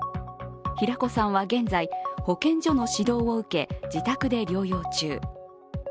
平子さんは現在、保健所の指導を受け、自宅で療養中。